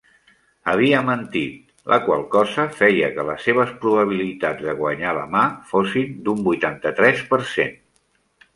Havia mentit, la qual cosa feia que les seves probabilitats de guanyar la mà fossin d'un vuitanta-tres per cent